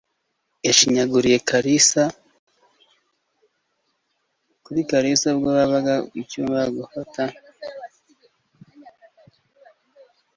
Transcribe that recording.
Yashinyaguye kuri Kalisa ubwo bavaga mucyumba ngo bajye hasi gufata ifunguro rya mu gitondo.